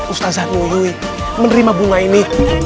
ustaz zanur yu menerima bunga ini